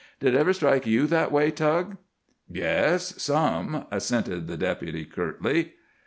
Did it ever strike you that way, Tug?" "Yes, some!" assented the Deputy curtly.